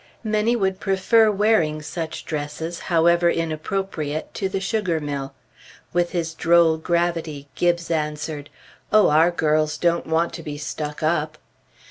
Many would prefer wearing such dresses, however inappropriate, to the sugar mill. With his droll gravity, Gibbes answered, "Oh, our girls don't want to be stuck up!"